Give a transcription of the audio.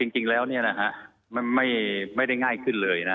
จริงแล้วไม่ได้ง่ายขึ้นเลยนะ